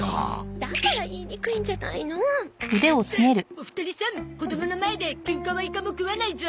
お二人さん子供の前でケンカはイカも食わないゾ。